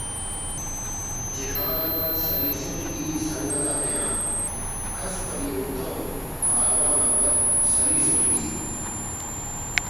جہان آن پد سلیسُٹ ای سنگت آتیان کس پَدی ہُرتو کاروان آن پَد سَلیسُٹ ای